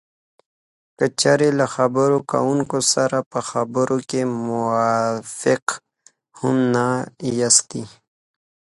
که چېرې له خبرې کوونکي سره په خبرو کې موافق هم نه یاستی